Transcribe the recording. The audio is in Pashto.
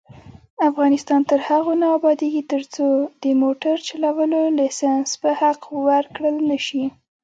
افغانستان تر هغو نه ابادیږي، ترڅو د موټر چلولو لایسنس په حق ورکړل نشي.